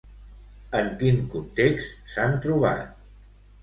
En quin context s'han trobat?